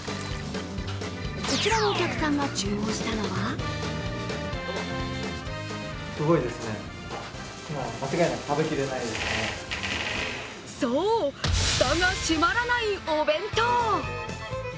こちらのお客さんが注文したのはそう、フタが閉まらないお弁当。